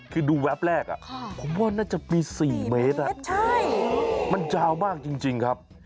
คือดูแวบแรกผมว่าน่าจะมี๔เมตรมันยาวมากจริงครับ